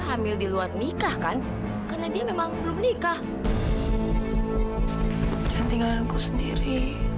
aku ingin dia sebagai anak hatinya sendiri